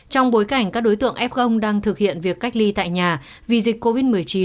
trong bối cảnh các đối tượng f đang thực hiện việc cách ly tại nhà vì dịch covid một mươi chín